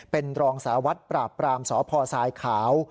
เป็นรองสาวัดปราบปรามสภสายขาว